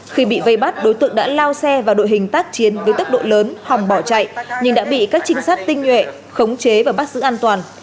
khi bị vây bắt đối tượng đã lao xe vào đội hình tác chiến với tốc độ lớn hòng bỏ chạy nhưng đã bị các trinh sát tinh nhuệ khống chế và bắt giữ an toàn